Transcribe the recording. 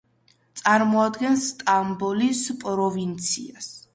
წარმოადგენს სტამბოლის პროვინციას.